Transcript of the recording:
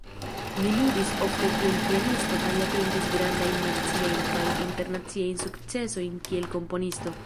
Li ludis ofte kiel pianisto kaj atingis grandajn naciajn kaj internaciajn sukcesojn kiel komponisto.